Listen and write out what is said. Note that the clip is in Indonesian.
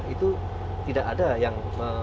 itu tidak ada yang